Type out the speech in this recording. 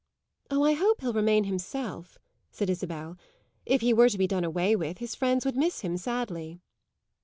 "Oh, I hope he'll remain himself," said Isabel. "If he were to be done away with his friends would miss him sadly."